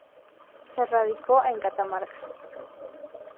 Se radicó en Catamarca.